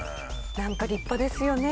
なんか立派ですよね